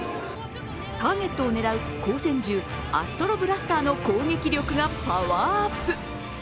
ターゲットを狙う光線銃アストロブラスターの攻撃力がパワーアップ。